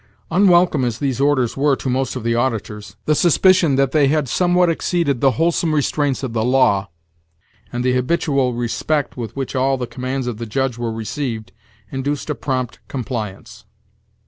Unwelcome as these orders were to most of the auditors, the suspicion that they had somewhat exceeded the whole some restraints of the law, and the habitual respect with which all the commands of the Judge were received, induced a prompt compliance.